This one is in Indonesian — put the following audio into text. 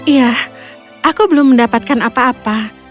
ya aku belum mendapatkan apa apa